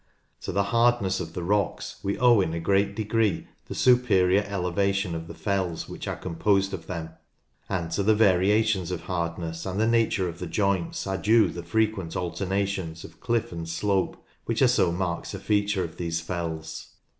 To the hardness of the rocks we owe in a great degree the superior eleva tion of the fells which are composed of them ; and to the variations of hardness and the nature of the joints are due the frequent alternations of cliff and slope which are so marked a feature of these fells.